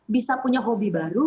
bisa punya hobi baru